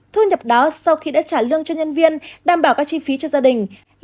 thu nhập đó sau khi đã trả lương cho nhân viên đảm bảo các chi phí cho gia đình